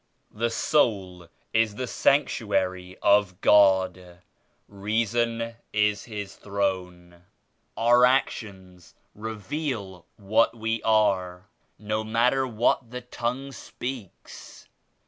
"The soul is the Sanctuary of God; Reason is His Throne." "Our actions reveal what we are, no matter what the tongue speaks."